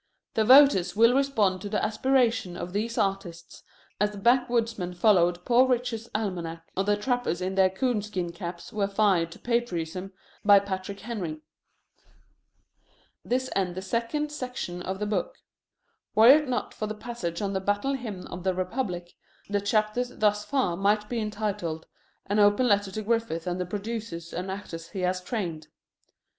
The voters will respond to the aspirations of these artists as the back woodsmen followed Poor Richard's Almanac, or the trappers in their coon skin caps were fired to patriotism by Patrick Henry. This ends the second section of the book. Were it not for the passage on The Battle Hymn of the Republic, the chapters thus far might be entitled: "an open letter to Griffith and the producers and actors he has trained."